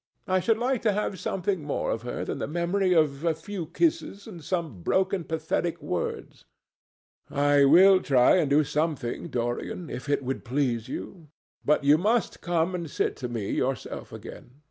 I should like to have something more of her than the memory of a few kisses and some broken pathetic words." "I will try and do something, Dorian, if it would please you. But you must come and sit to me yourself again.